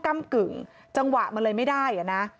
กำกึ่งจังหวะมันเลยไม่ได้อ่ะนะ